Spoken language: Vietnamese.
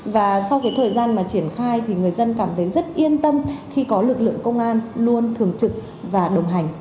và sau thời gian triển khai người dân cảm thấy rất yên tâm khi có lực lượng công an luôn thường trực và đồng hành